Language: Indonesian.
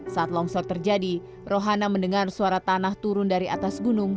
saat longsor terjadi rohana mendengar suara tanah turun dari atas gunung